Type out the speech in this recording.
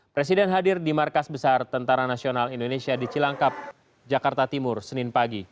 presiden hadir di markas besar tentara nasional indonesia di cilangkap jakarta timur senin pagi